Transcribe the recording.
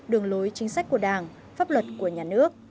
đường lối chính sách của đảng pháp luật của nhà nước